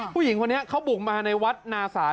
ผู้หญิงคนนี้เขาบุกมาในวัดนาศาล